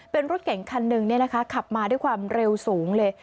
เป็นรถเก่งคันหนึ่งขับมาด้วยความเร็วสูงเลย